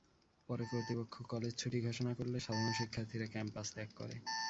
পরে কর্তৃপক্ষ কলেজ ছুটি ঘোষণা করলে সাধারণ শিক্ষার্থীরা ক্যাম্পাস ত্যাগ করে।